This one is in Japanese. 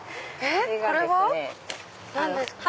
これは何ですか？